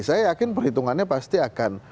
saya yakin perhitungannya pasti akan